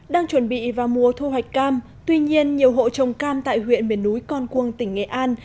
đang chuẩn bị vào mùa thu hoạch cam tuy nhiên nhiều hộ trồng cam tại huyện miền núi con cuông tỉnh nghệ an